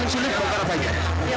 kita belajar teknik tekniknya